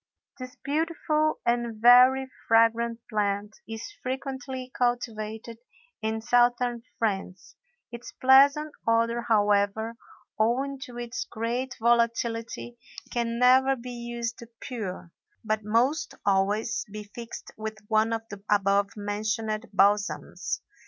This beautiful and very fragrant plant is frequently cultivated in Southern France; its pleasant odor, however, owing to its great volatility, can never be used pure, but must always be fixed with one of the above mentioned balsams.